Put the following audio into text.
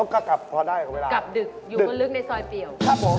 กระพาดดึกอยู่พอลึกในสอยเปี๋ยว